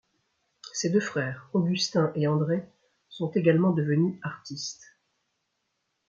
Ses deux frères Augustin et André sont également devenus artistes.